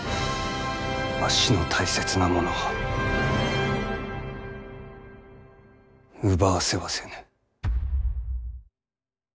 わしの大切なものを奪わせはせぬ。